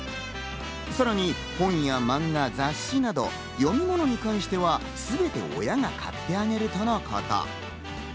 さらに本や漫画雑誌など読み物に関してはすべて親が買ってあげるとのこと。